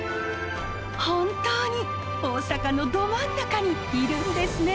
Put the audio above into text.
本当に大阪のど真ん中にいるんですね！